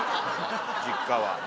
実家は。